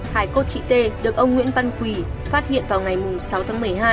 hải cốt chị t được ông nguyễn văn quỳ phát hiện vào ngày sáu tháng một mươi hai